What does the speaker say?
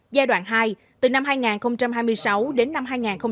giai đoạn hai từ năm hai nghìn hai mươi sáu đến năm hai nghìn ba mươi